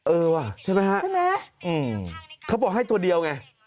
เออว่ะใช่ไหมฮะใช่ไหมเขาบอกให้ตัวเดียวไง